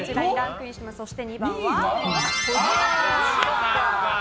そして２番は、小島よしおさん。